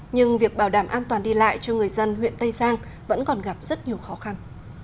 nhưng việc bảo đảm an toàn đi lại cho người dân huyện tây giang vẫn còn gặp rất nhiều khó khăn